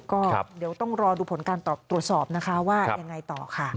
ก็เดี๋ยวต้องรอดูผลการตรวจสอบนะคะว่ายังไงต่อค่ะ